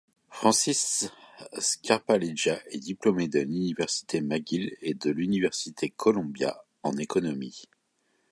Francis Scarpaleggia est diplômé de l'université McGill et de l'université Columbia en économie.